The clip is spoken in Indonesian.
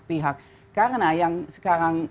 pihak karena yang sekarang